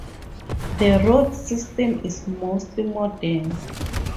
The road system is mostly modern.